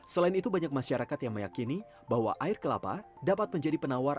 selain itu banyak masyarakat yang meyakini bahwa air kelapa dapat menjadi penawar